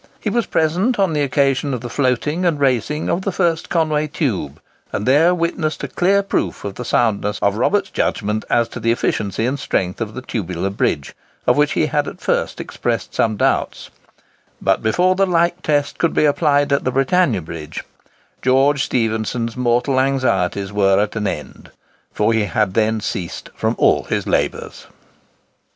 He was present on the occasion of the floating and raising of the first Conway tube, and there witnessed a clear proof of the soundness of Robert's judgment as to the efficiency and strength of the tubular bridge, of which he had at first expressed some doubts; but before the like test could be applied at the Britannia Bridge, George Stephenson's mortal anxieties were at an end, for he had then ceased from all his labours.